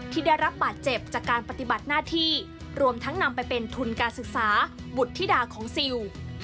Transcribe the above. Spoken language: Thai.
ที่ได้รับบาดเจ็บจากการปฏิบัติหน้าที่รวมทั้งนำไปเป็นทุนการศึกษาบุตรธิดาของซิล